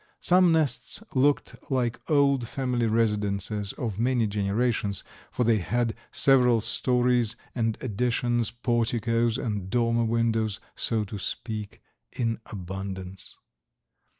Some nests looked like old family residences of many generations, for they had several stories and additions, porticos and dormer windows, so to speak, in abundance.